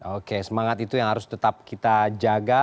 oke semangat itu yang harus tetap kita jaga